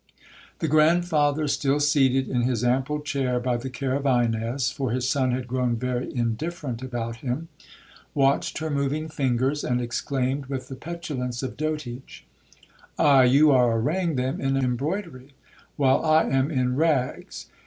'The grandfather, still seated in his ample chair by the care of Ines, (for his son had grown very indifferent about him), watched her moving fingers, and exclaimed, with the petulance of dotage, 'Aye,—you are arraying them in embroidery, while I am in rags.